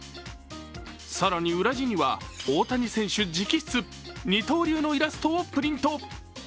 更に裏地には大谷選手直筆、二刀流のイラストをプリント。